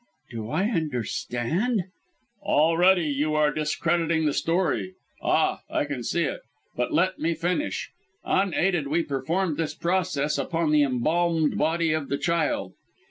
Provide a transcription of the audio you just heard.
"Do I understand ?" "Already, you are discrediting the story! Ah! I can see it! but let me finish. Unaided, we performed this process upon the embalmed body of the child.